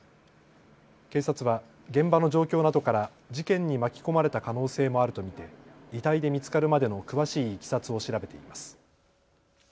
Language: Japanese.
警察は現場の状況などから事件に巻き込まれた可能性もあると見て遺体で見つかるまでの詳しいいきさつを調べています。